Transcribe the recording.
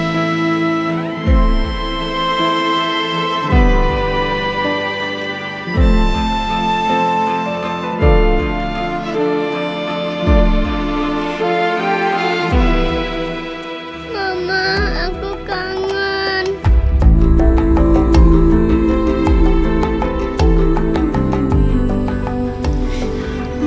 mama aku kangen